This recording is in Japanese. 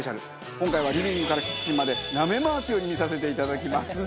今回はリビングからキッチンまでなめ回すように見させていただきます。